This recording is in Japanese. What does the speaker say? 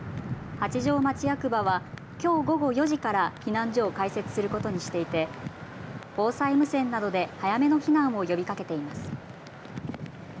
八丈町役場はきょう午後４時から避難所を開設することにしていて防災無線などで早めの避難を呼びかけています。